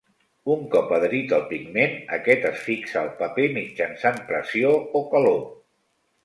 Un cop adherit el pigment, aquest es fixa al paper mitjançant pressió o calor.